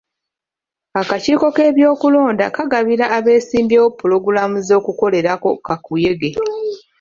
Akakiiko k'ebyokulonda kagabira abeesimbyewo pulogulaamu z'okukolerako kakuyege.